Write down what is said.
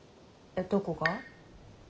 えっどこが？